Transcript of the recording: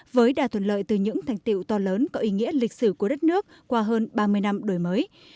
với đa thuận lợi từ những thành tiệu to lớn có ý nghĩa lịch sử của đất nước qua hơn ba mươi năm đổi mới